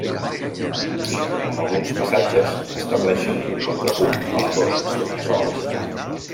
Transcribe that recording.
En alguns passatges, estableixen un contrapunt els dos instruments sols.